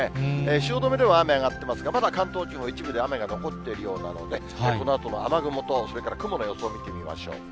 汐留では雨上がってますが、まだ関東地方、一部で雨が残っているようなので、このあとの雨雲と、それから雲の予想を見てみましょう。